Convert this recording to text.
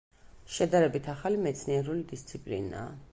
შედარებით ახალი მეცნიერული დისციპლინაა.